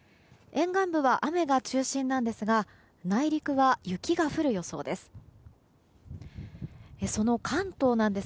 沿岸部は雨が中心なんですが内陸は雪が降る予想です。